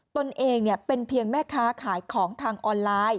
ตนเองเป็นเพียงแม่ค้าขายของทางออนไลน์